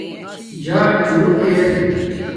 جݳٹ چݸک ار